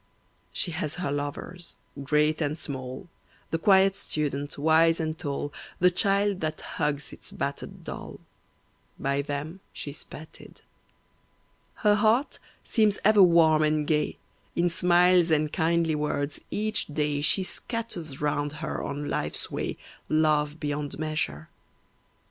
She has her lovers, great and small, The quiet student, wise and tall, The child that hugs its battered doll, By them she's petted. Her heart seems ever warm and gay, In smiles and kindly words, each day, She scatters round her on life's way Love beyond measure.